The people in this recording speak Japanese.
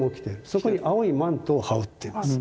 そこに青いマントを羽織っています。